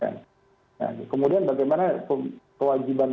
nah kemudian bagaimana kewajiban